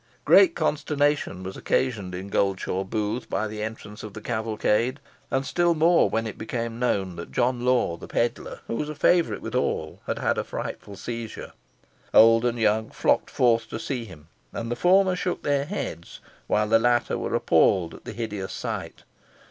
Great consternation was occasioned in Goldshaw Booth by the entrance of the cavalcade, and still more, when it became known that John Law, the pedlar, who was a favourite with all, had had a frightful seizure. Old and young flocked forth to see him, and the former shook their heads, while the latter were appalled at the hideous sight.